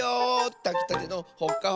たきたてのほっかほかだよ！